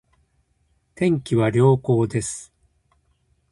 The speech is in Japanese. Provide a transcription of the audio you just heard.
天気は良好です